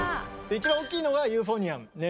一番大きいのはユーフォニアム。